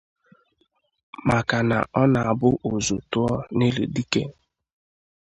Maka na ọ na-abụ ụzụ tụọ n'ili dike